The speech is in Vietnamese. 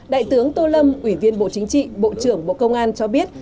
đại tướng tô lâm ủy viên bộ chính trị bộ trưởng bộ công an cho biết